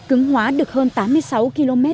cứng hóa được hơn tám mươi sáu km